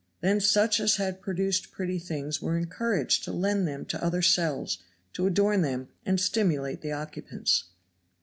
Then such as had produced pretty things were encouraged to lend them to other cells to adorn them and stimulate the occupants.